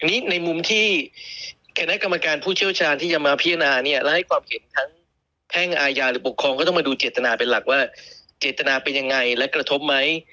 นี่ในมุมที่คณะกรรมการผู้เชี่ยวชาญที่จะมาพิจารณาเนี่ยแล้วให้ความเห็นทั้งแพ่งอาญาหรือปกครองก็ต้องมาดูเจตนาเป็นหลักว่าเจตนาเป็นยังไงและกระทบไหม